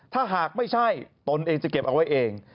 ถ้าหากไม่ใช่ตนเองจะเก็บเอาไว้เอง